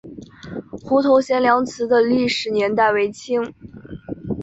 湖头贤良祠的历史年代为清。